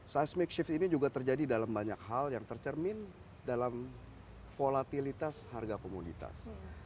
seismic shift ini juga terjadi dalam banyak hal yang tercermin dalam volatilitas harga komoditas